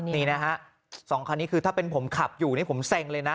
นี่นะฮะสองคันนี้คือถ้าเป็นผมขับอยู่นี่ผมเซ็งเลยนะ